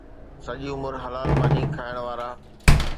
سڄي عمر حلال ماني کائڻ وارا